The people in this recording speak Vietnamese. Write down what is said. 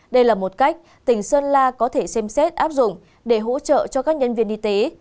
đây là một cách tỉnh sơn la có thể xem xét áp dụng để hỗ trợ cho các nhân viên y tế